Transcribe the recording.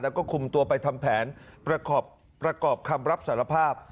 แล้วก็คุมตัวไปทำแผนประกอบคำรับสารภาพ